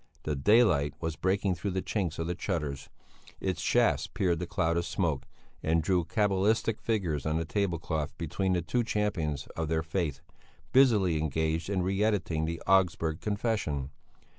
The daylight was breaking through the chinks of the shutters; its shafts pierced the cloud of smoke and drew cabbalistic figures on the tablecloth between the two champions of their faith, busily engaged in re editing the Augsburg Confession.